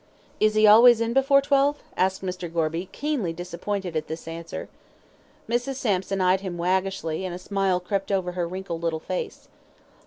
"Is he always in before twelve?" asked Mr. Gorby, keenly disappointed at this answer. Mrs. Sampson eyed him waggishly, and a smile crept over her wrinkled little face.